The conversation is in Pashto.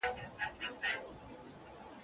هر غزل ته مي راتللې په هر توري مي ستایلې